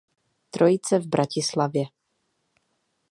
Trojice v Bratislavě.